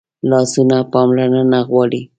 لاسونه پاملرنه غواړي